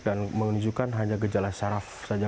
dan menunjukkan hanya gejala syaraf saja